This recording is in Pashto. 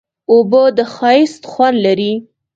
اوبه د ښایست خوند لري.